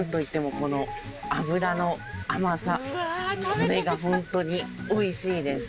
これが本当においしいです。